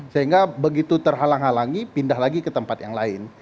sehingga begitu terhalang halangi pindah lagi ke tempat yang lain